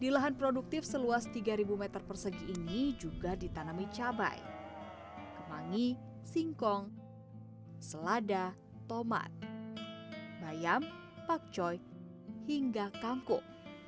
di lahan produktif seluas tiga meter persegi ini juga ditanami cabai kemangi singkong selada tomat bayam pakcoy hingga kangkung